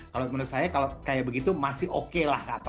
kalau menurut saya kalau kayak begitu masih oke lah